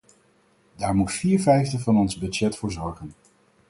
Daar moet viervijfde van ons budget voor zorgen.